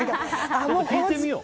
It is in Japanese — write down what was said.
聞いてみよう。